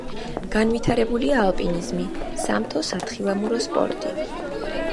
განვითარებულია ალპინიზმი, სამთო სათხილამურო სპორტი.